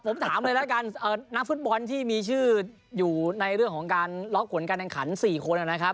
ผมถามเลยแล้วกันนักฟุตบอลที่มีชื่ออยู่ในเรื่องของการล็อกผลการแข่งขัน๔คนนะครับ